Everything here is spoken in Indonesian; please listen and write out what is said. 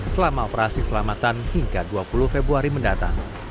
selama operasi keselamatan hingga dua puluh februari mendatang